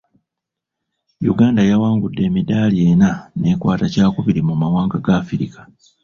Yuganda yawangudde emidaali enna, n'ekwata kyakubiri mu mawanga ga Africa.